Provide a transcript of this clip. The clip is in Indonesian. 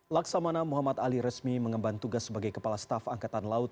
laksamana muhammad ali resmi mengemban tugas sebagai kepala staf angkatan laut